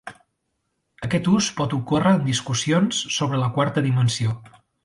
Aquest ús pot ocórrer en discussions sobre la quarta dimensió.